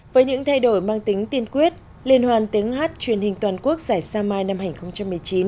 với những thay đổi mang tính tiên quyết liên hoàn tiếng hát truyền hình toàn quốc giải sao mai năm hai nghìn một mươi chín